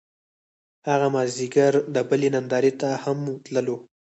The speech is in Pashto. هغه مازیګر د بلۍ نندارې ته هم تللو